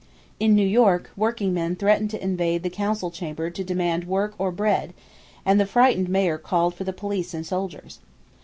In New York, working men threatened to invade the Council Chamber to demand "work or bread," and the frightened mayor called for the police and soldiers.